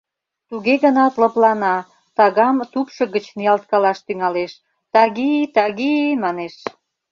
Туге гынат лыплана, тагам тупшо гыч ниялткалаш тӱҥалеш: «Таги, таги», — манеш.